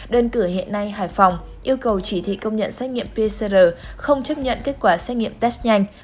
đơn cử hiện nay hải phòng yêu cầu chỉ thị công nhận xét nghiệm pcr không chấp nhận kết quả xét nghiệm test nhanh